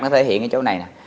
nó thể hiện ở chỗ này nè